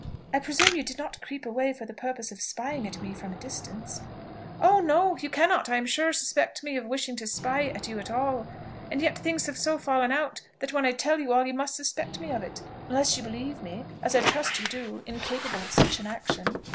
"I presume you did not creep away for the purpose of spying at me from a distance?" "Oh no! You cannot, I am sure, suspect me of wishing to spy at you at all. And yet things have so fallen out, that when I tell you all, you must suspect me of it unless you believe me, as I trust you do, incapable of such an action."